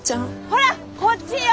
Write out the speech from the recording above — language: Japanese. ほらこっちよ！